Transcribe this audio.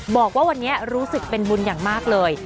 บอกว่าวันนี้รู้สึกเป็นบุญอย่างมากเลย